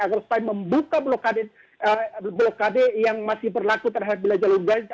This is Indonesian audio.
agar supaya membuka blokade yang masih berlaku terhadap wilayah jalur gaza